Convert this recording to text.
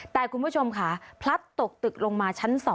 แต่คุณผู้ชมค่ะพลัดตกตึกลงมาชั้น๒